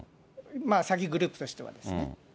詐欺グループとしてはですね。